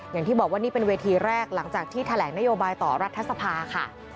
อย่างที่บอกว่านี่เป็นเวทีแรกหลังจากที่แถลงนโยบายต่อรัฐสภาค่ะ